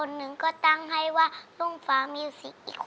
แล้วน้องใบบัวร้องได้หรือว่าร้องผิดครับ